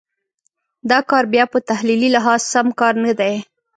دا کار بیا په تحلیلي لحاظ سم کار نه دی.